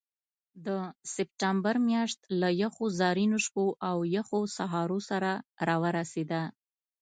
د سپټمبر میاشت له یخو زمرینو شپو او یخو سهارو سره راورسېده.